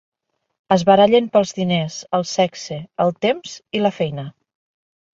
Es barallen pels diners, el sexe, el temps i la feina...